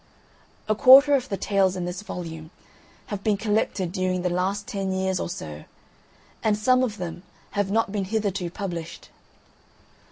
A quarter of the tales in this volume, have been collected during the last ten years or so, and some of them have not been hitherto published.